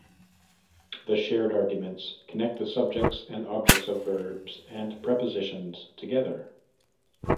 The shared arguments connect the subjects and objects of verbs and prepositions together.